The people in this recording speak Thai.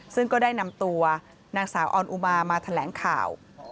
ซึ่งก็ได้นำตัวนางสาวออนอุมามาแถลงข่าว